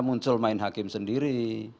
muncul main hakim sendiri